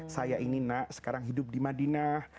saya ini nak sekarang hidup di madinah